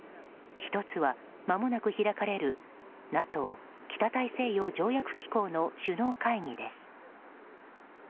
１つは、まもなく開かれるＮＡＴＯ・北大西洋条約機構の首脳会議です。